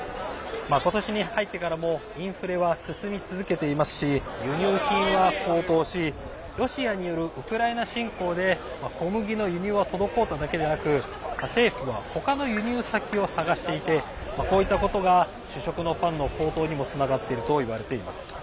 今年に入ってからもインフレは進み続けていますし輸入品は高騰しロシアによるウクライナ侵攻で小麦の輸入は滞っただけでなく政府は他の輸入先を探していてこういったことが主食のパンの高騰にもつながっているといわれています。